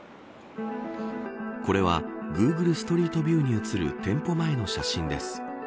これはグーグルストリートビューに写る店舗前の写真です。